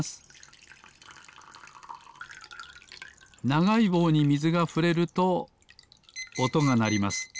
ながいぼうにみずがふれるとおとがなります。